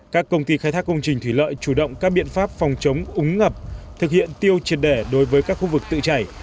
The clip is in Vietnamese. các công ty khai thác công trình thủy lợi chủ động các biện pháp phòng chống úng ngập thực hiện tiêu triệt đẻ đối với các khu vực tự chảy